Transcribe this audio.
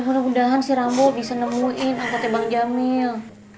mudah mudahan si rambo bisa nemuin angkotnya bang jamil